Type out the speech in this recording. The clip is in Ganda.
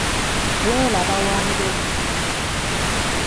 Welaba Wanjovu.